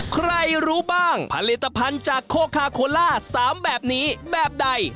ใครรู้บ้างผลิตภัณฑ์จากโคคาโคล่า๓แบบนี้แบบใด